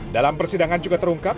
dalam persidangan juga terungkap